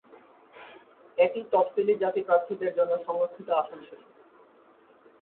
এটি তফসিলি জাতি প্রার্থীদের জন্য সংরক্ষিত আসন ছিল।